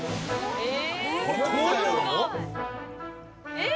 えっ！？